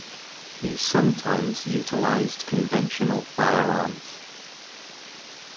He sometimes utilized conventional firearms.